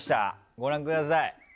ご覧ください。